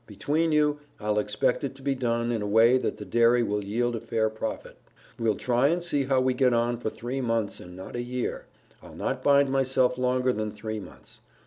Between you, I'll expect it to be done in a way that the dairy will yield a fair profit. We'll try and see how we get on for three months and not a year. I'll not bind myself longer than three months.